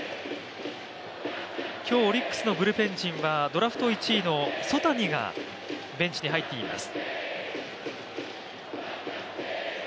今日オリックスのブルペン陣はドラフト１位の曽谷がベンチに入っています。